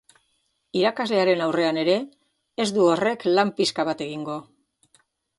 Irakaslearen aurrean ere ez du horrek lan pixka bat egingo.